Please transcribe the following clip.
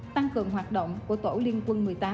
tăng cường hoạt động của tổ liên quân một mươi tám